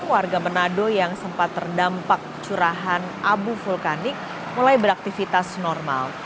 warga menado yang sempat terdampak curahan abu vulkanik mulai beraktivitas normal